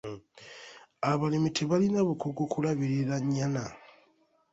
Abalimi tebalina bukugu kulabirira nnyana.